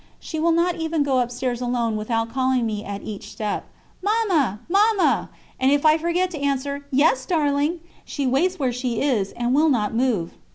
She will not even go upstairs alone without calling me at each step, 'Mamma! Mamma!' and if I forget to answer 'Yes, darling!' she waits where she is, and will not move."